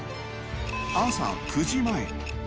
朝９時前。